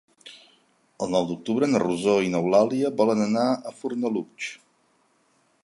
El nou d'octubre na Rosó i n'Eulàlia volen anar a Fornalutx.